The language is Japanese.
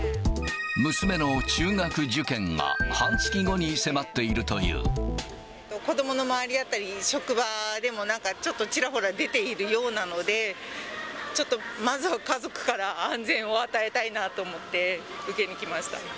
娘の中学受験が半月後に迫っ子どもの周りだったり、職場でも、なんかちょっとちらほら出ているようなので、ちょっとまずは家族から安全を与えたいなと思って、受けに来ました。